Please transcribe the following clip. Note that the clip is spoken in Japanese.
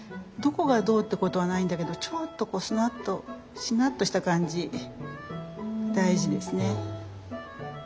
どこがどうってことはないんだけどちょっとしなっとした感じ大事ですね。